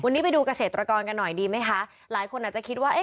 วันนี้ไปดูเกษตรกรกันหน่อยดีไหมคะหลายคนอาจจะคิดว่าเอ๊ะ